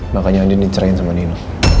makanya dia dicerahin sama nino